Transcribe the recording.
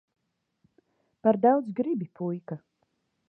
Par daudz gribi, puika.